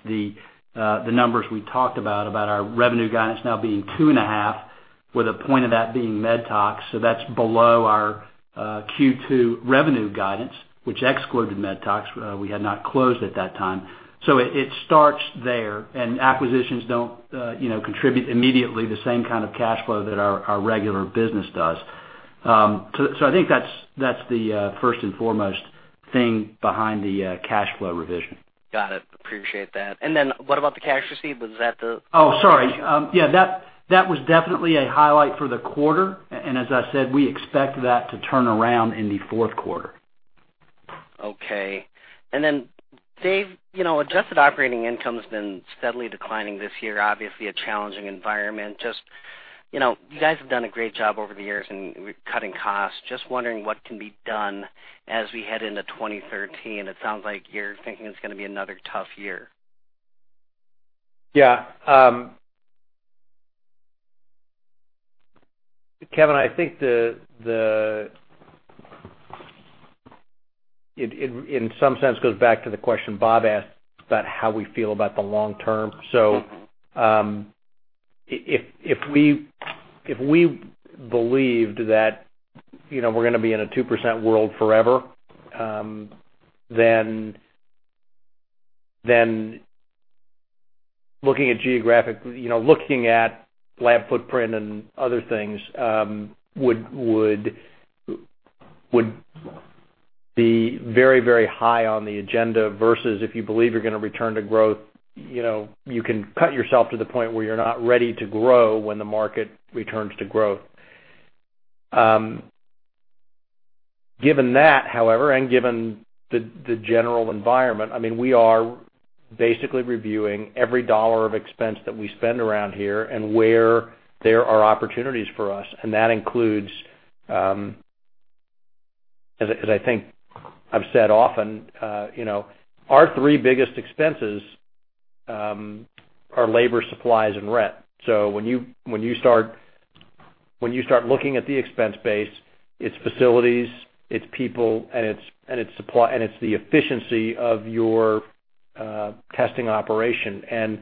the numbers we talked about, about our revenue guidance now being $2.5 billion with a point of that being MedTox. That is below our Q2 revenue guidance, which excluded MedTox. We had not closed at that time. It starts there. Acquisitions do not contribute immediately the same kind of cash flow that our regular business does. I think that is the first and foremost thing behind the cash flow revision. Got it. Appreciate that. What about the cash receipt? Was that the? Oh, sorry. Yeah. That was definitely a highlight for the quarter. As I said, we expect that to turn around in the fourth quarter. Okay. Dave, adjusted operating income has been steadily declining this year, obviously a challenging environment. You guys have done a great job over the years in cutting costs. Just wondering what can be done as we head into 2013. It sounds like you're thinking it's going to be another tough year. Yeah. Kevin, I think in some sense goes back to the question Bob asked about how we feel about the long term. If we believed that we're going to be in a 2% world forever, then looking at geographic, looking at lab footprint and other things would be very, very high on the agenda versus if you believe you're going to return to growth, you can cut yourself to the point where you're not ready to grow when the market returns to growth. Given that, however, and given the general environment, I mean, we are basically reviewing every dollar of expense that we spend around here and where there are opportunities for us. That includes, as I think I've said often, our three biggest expenses are labor, supplies, and rent. When you start looking at the expense base, it's facilities, it's people, and it's the efficiency of your testing operation.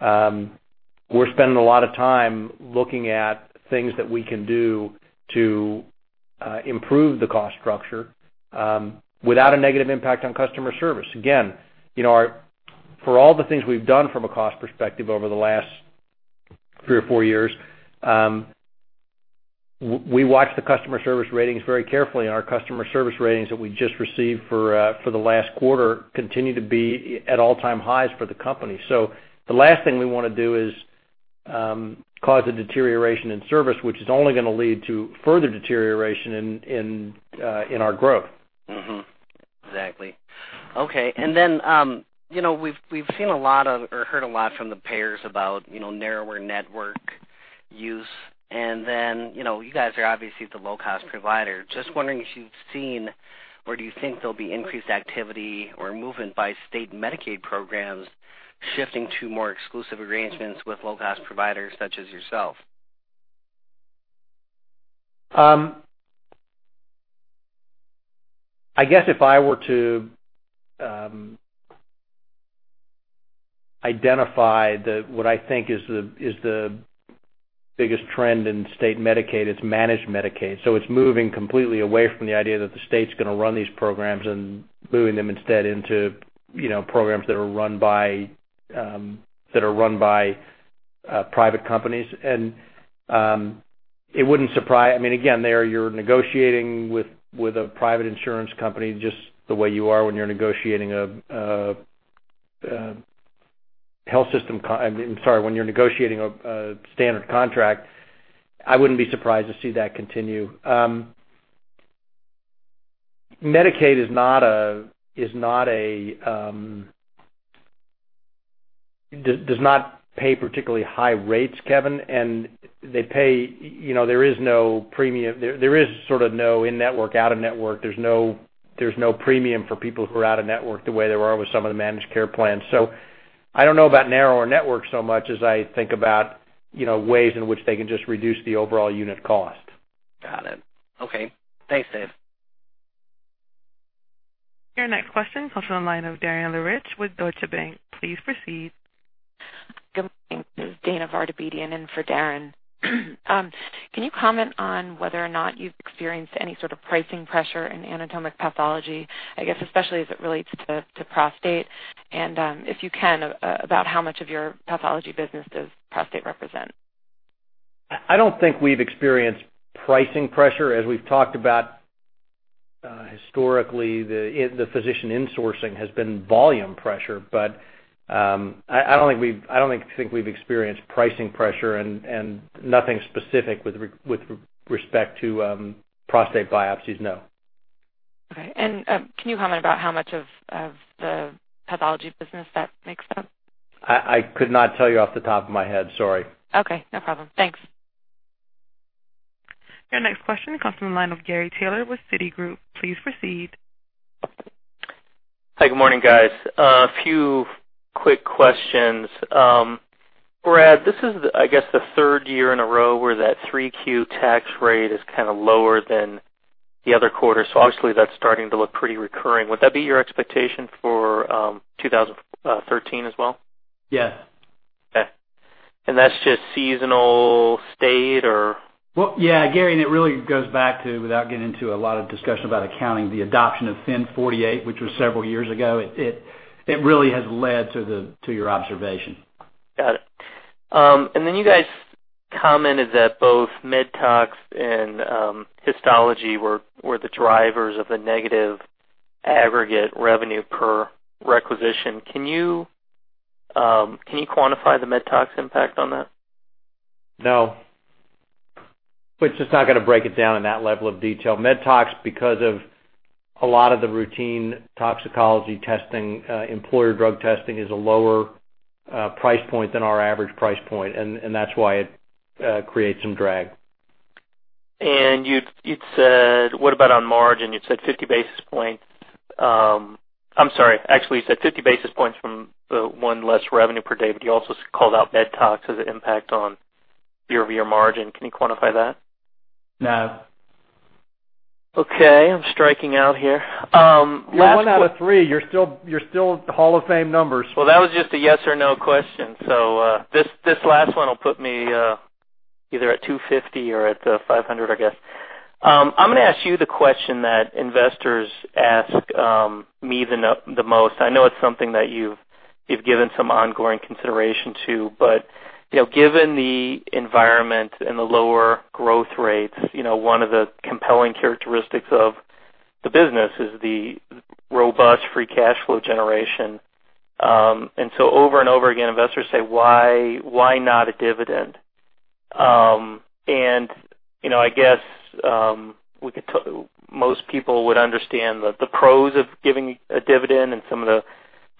We're spending a lot of time looking at things that we can do to improve the cost structure without a negative impact on customer service. Again, for all the things we've done from a cost perspective over the last three or four years, we watch the customer service ratings very carefully. Our customer service ratings that we just received for the last quarter continue to be at all-time highs for the company. The last thing we want to do is cause a deterioration in service, which is only going to lead to further deterioration in our growth. Exactly. Okay. We have seen a lot of or heard a lot from the payers about narrower network use. You guys are obviously the low-cost provider. Just wondering if you have seen or do you think there will be increased activity or movement by state Medicaid programs shifting to more exclusive arrangements with low-cost providers such as yourself? I guess if I were to identify what I think is the biggest trend in state Medicaid, it's managed Medicaid. It's moving completely away from the idea that the state's going to run these programs and moving them instead into programs that are run by private companies. It wouldn't surprise, I mean, again, there you're negotiating with a private insurance company just the way you are when you're negotiating a health system, I'm sorry, when you're negotiating a standard contract. I wouldn't be surprised to see that continue. Medicaid does not pay particularly high rates, Kevin. They pay, there is no premium. There is sort of no in-network, out-of-network. There's no premium for people who are out-of-network the way there are with some of the managed care plans. I do not know about narrower network so much as I think about ways in which they can just reduce the overall unit cost. Got it. Okay. Thanks, Dave. Yeah. Next question comes from the line of Darren LeRitch with Deutsche Bank. Please proceed. Good morning. This is Dana Vardabedian in for Darren. Can you comment on whether or not you've experienced any sort of pricing pressure in anatomic pathology, I guess, especially as it relates to prostate? And if you can, about how much of your pathology business does prostate represent? I don't think we've experienced pricing pressure. As we've talked about historically, the physician insourcing has been volume pressure. I don't think we've experienced pricing pressure and nothing specific with respect to prostate biopsies, no. Okay. Can you comment about how much of the pathology business that makes up? I could not tell you off the top of my head. Sorry. Okay. No problem. Thanks. Yeah. Next question comes from the line of Gary Taylor with Citigroup. Please proceed. Hi. Good morning, guys. A few quick questions. Brad, this is, I guess, the third year in a row where that 3Q tax rate is kind of lower than the other quarter. So obviously, that's starting to look pretty recurring. Would that be your expectation for 2013 as well? Yes. Okay. And that's just seasonal state, or? Yeah. Gary, and it really goes back to, without getting into a lot of discussion about accounting, the adoption of FIN 48, which was several years ago. It really has led to your observation. Got it. You guys commented that both MedTox and histology were the drivers of the negative aggregate revenue per requisition. Can you quantify the MedTox impact on that? No. Just not going to break it down in that level of detail. MedTox, because of a lot of the routine toxicology testing, employer drug testing is a lower price point than our average price point. That is why it creates some drag. You'd said what about on margin? You'd said 50 basis points. I'm sorry. Actually, you said 50 basis points from the one less revenue per day. You also called out MedTox as an impact on year-over-year margin. Can you quantify that? No. Okay. I'm striking out here. Last one. Yeah. One out of three. You're still Hall of Fame numbers. That was just a yes or no question. This last one will put me either at 250 or at the 500, I guess. I'm going to ask you the question that investors ask me the most. I know it's something that you've given some ongoing consideration to. Given the environment and the lower growth rates, one of the compelling characteristics of the business is the robust free cash flow generation. Over and over again, investors say, "Why not a dividend?" I guess most people would understand the pros of giving a dividend and some of the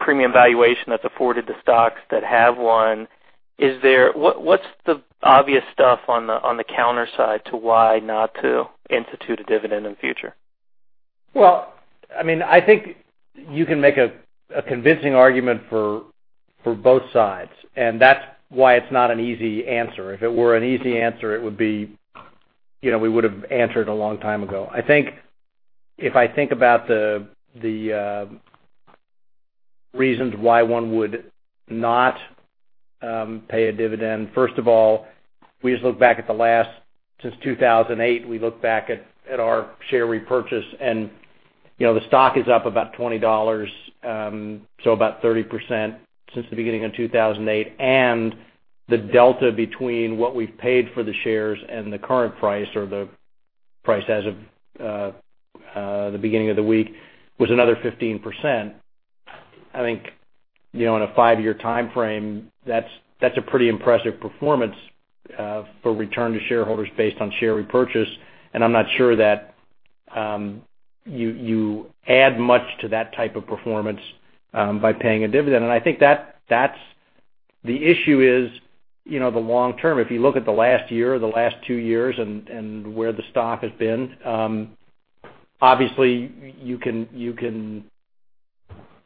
premium valuation that's afforded to stocks that have one. What's the obvious stuff on the counter side to why not to institute a dividend in the future? I mean, I think you can make a convincing argument for both sides. That is why it is not an easy answer. If it were an easy answer, we would have answered it a long time ago. I think if I think about the reasons why one would not pay a dividend, first of all, we just look back at the last since 2008, we look back at our share repurchase. The stock is up about $20, so about 30% since the beginning of 2008. The delta between what we have paid for the shares and the current price or the price as of the beginning of the week was another 15%. I think in a five-year time frame, that is a pretty impressive performance for return to shareholders based on share repurchase. I'm not sure that you add much to that type of performance by paying a dividend. I think that's the issue, the long term. If you look at the last year, the last two years, and where the stock has been, obviously, you can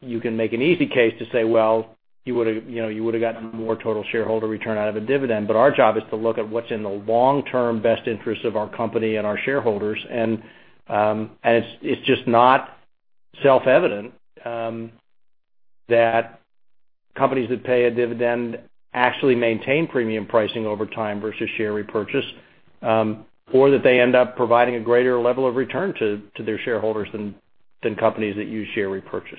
make an easy case to say, "Well, you would have gotten more total shareholder return out of a dividend." Our job is to look at what's in the long-term best interests of our company and our shareholders. It's just not self-evident that companies that pay a dividend actually maintain premium pricing over time versus share repurchase or that they end up providing a greater level of return to their shareholders than companies that use share repurchase.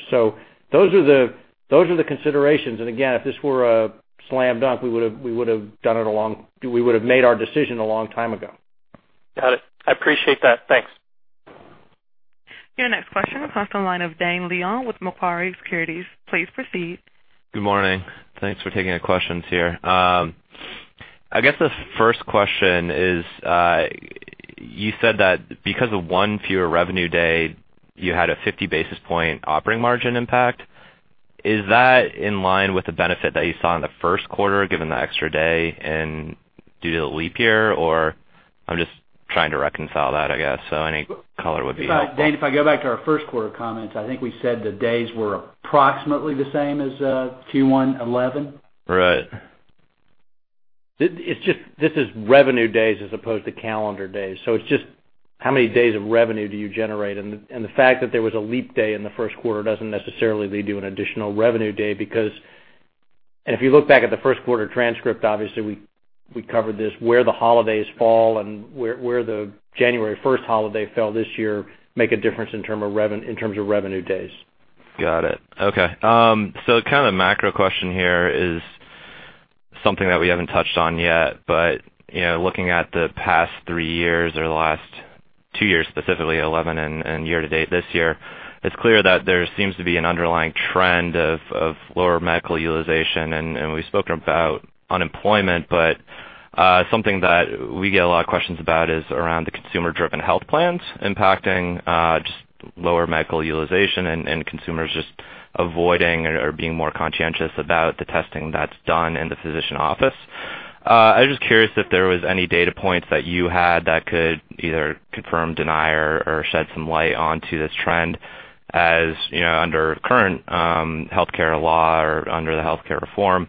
Those are the considerations. If this were a slam dunk, we would have made our decision a long time ago. Got it. I appreciate that. Thanks. Yeah. Next question comes from the line of Dane Leong with Macquarie Securities. Please proceed. Good morning. Thanks for taking the questions here. I guess the first question is you said that because of one fewer revenue day, you had a 50 basis point operating margin impact. Is that in line with the benefit that you saw in the first quarter given the extra day and due to the leap year? Or I'm just trying to reconcile that, I guess. Any color would be helpful. Dane, if I go back to our first quarter comments, I think we said the days were approximately the same as Q1 2011. Right. This is revenue days as opposed to calendar days. It is just how many days of revenue do you generate? The fact that there was a leap day in the first quarter does not necessarily lead to an additional revenue day because, if you look back at the first quarter transcript, obviously, we covered this, where the holidays fall and where the January 1 holiday fell this year make a difference in terms of revenue days. Got it. Okay. Kind of a macro question here is something that we haven't touched on yet. Looking at the past three years or the last two years, specifically 2011 and year to date this year, it's clear that there seems to be an underlying trend of lower medical utilization. We've spoken about unemployment. Something that we get a lot of questions about is around the consumer-driven health plans impacting just lower medical utilization and consumers just avoiding or being more conscientious about the testing that's done in the physician office. I was just curious if there was any data points that you had that could either confirm, deny, or shed some light onto this trend as under current healthcare law or under the healthcare reform.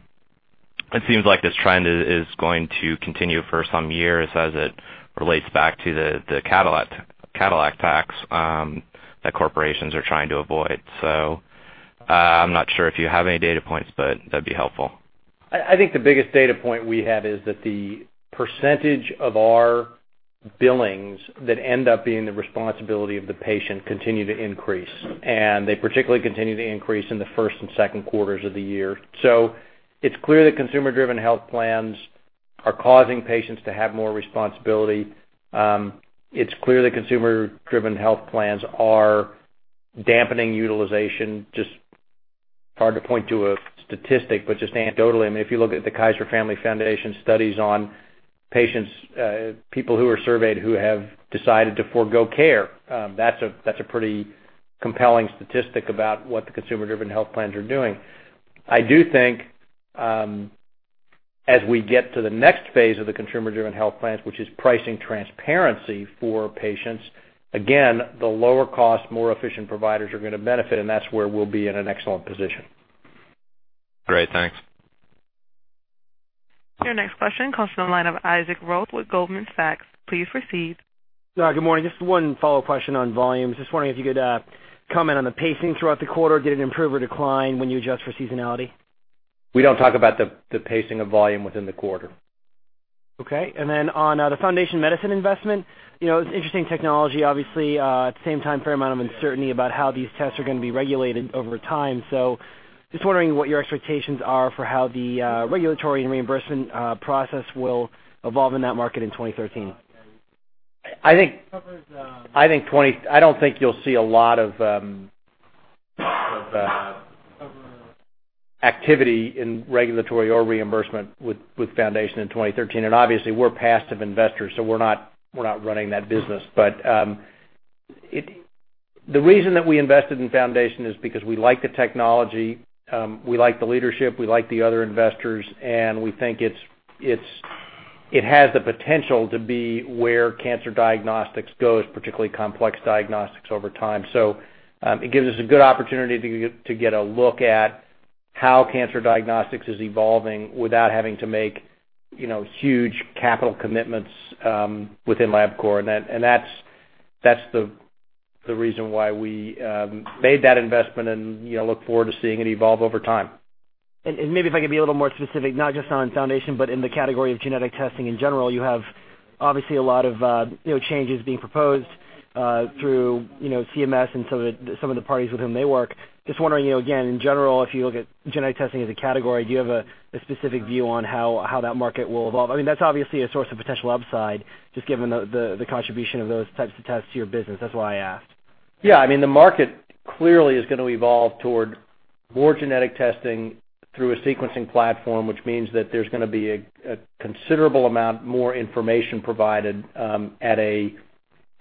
It seems like this trend is going to continue for some years as it relates back to the Cadillac tax that corporations are trying to avoid. I'm not sure if you have any data points, but that'd be helpful. I think the biggest data point we have is that the percentage of our billings that end up being the responsibility of the patient continue to increase. They particularly continue to increase in the first and second quarters of the year. It is clear that consumer-driven health plans are causing patients to have more responsibility. It is clear that consumer-driven health plans are dampening utilization. Just hard to point to a statistic, but just anecdotally, I mean, if you look at the Kaiser Family Foundation studies on people who are surveyed who have decided to forgo care, that is a pretty compelling statistic about what the consumer-driven health plans are doing. I do think as we get to the next phase of the consumer-driven health plans, which is pricing transparency for patients, again, the lower-cost, more efficient providers are going to benefit. That is where we will be in an excellent position. Great. Thanks. Yeah. Next question comes from the line of Isaac Roth with Goldman Sachs. Please proceed. Good morning. Just one follow-up question on volumes. Just wondering if you could comment on the pacing throughout the quarter. Did it improve or decline when you adjust for seasonality? We don't talk about the pacing of volume within the quarter. Okay. On the Foundation Medicine investment, it's interesting technology, obviously. At the same time, fair amount of uncertainty about how these tests are going to be regulated over time. Just wondering what your expectations are for how the regulatory and reimbursement process will evolve in that market in 2013. I think I don't think you'll see a lot of activity in regulatory or reimbursement with Foundation in 2013. Obviously, we're passive investors. We're not running that business. The reason that we invested in Foundation is because we like the technology. We like the leadership. We like the other investors. We think it has the potential to be where cancer diagnostics goes, particularly complex diagnostics over time. It gives us a good opportunity to get a look at how cancer diagnostics is evolving without having to make huge capital commitments within Labcorp. That's the reason why we made that investment and look forward to seeing it evolve over time. Maybe if I could be a little more specific, not just on Foundation, but in the category of genetic testing in general, you have obviously a lot of changes being proposed through CMS and some of the parties with whom they work. Just wondering, again, in general, if you look at genetic testing as a category, do you have a specific view on how that market will evolve? I mean, that's obviously a source of potential upside just given the contribution of those types of tests to your business. That's why I asked. Yeah. I mean, the market clearly is going to evolve toward more genetic testing through a sequencing platform, which means that there's going to be a considerable amount more information provided at a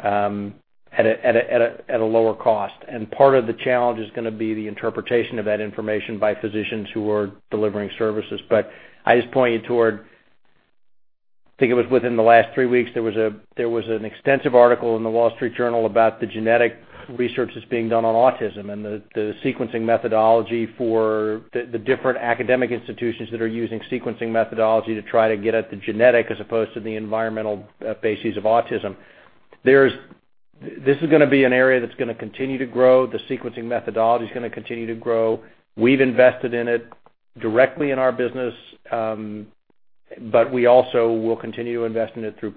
lower cost. Part of the challenge is going to be the interpretation of that information by physicians who are delivering services. I just point you toward I think it was within the last three weeks, there was an extensive article in The Wall Street Journal about the genetic research that's being done on autism and the sequencing methodology for the different academic institutions that are using sequencing methodology to try to get at the genetic as opposed to the environmental bases of autism. This is going to be an area that's going to continue to grow. The sequencing methodology is going to continue to grow. We've invested in it directly in our business. We also will continue to invest in it through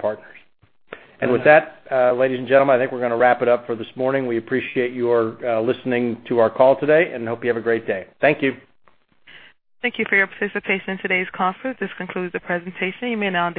partners. With that, ladies and gentlemen, I think we're going to wrap it up for this morning. We appreciate your listening to our call today. I hope you have a great day. Thank you. Thank you for your participation in today's conference. This concludes the presentation. You may now.